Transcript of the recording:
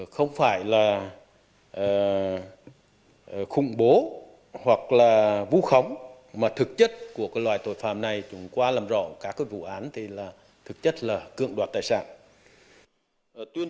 không phải là khủng bố hoặc là vu khống mà thực chất của loại tội phạm này chúng qua làm rõ các vụ án thì là thực chất là cưỡng đoạt tài sản